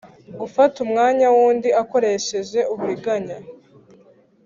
Gufata umwanya w’undi akoresheje uburiganya